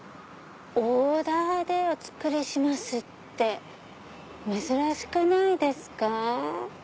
オーダーでお作りしますって珍しくないですか？